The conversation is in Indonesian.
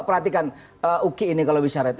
perhatikan uki ini kalau bicara itu